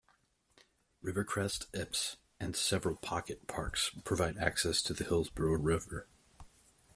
Rivercrest, Epps, and several pocket parks provide access to the Hillsborough River.